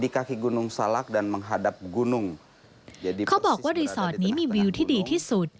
เขาบอกว่ารีสอร์ทนี้มีวิวที่ดีที่สุด